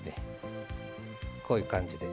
こういう感じで。